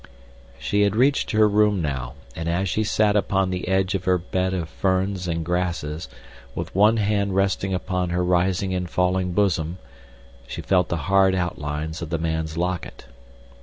She had reached her room now, and as she sat upon the edge of her bed of ferns and grasses, with one hand resting upon her rising and falling bosom, she felt the hard outlines of the man's locket.